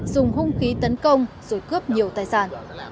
dùng hung khí tấn công rồi cướp nhiều tài sản